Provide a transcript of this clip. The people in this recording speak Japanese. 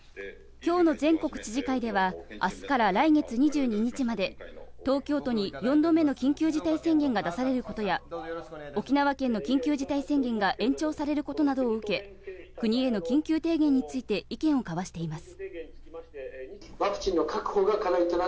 今日の全国知事会では明日から来月２２日まで東京都に４度目の緊急事態宣言が出されることや沖縄県の緊急事態宣言が延長されることなどを受け、国への緊急提言について意見を交わしています。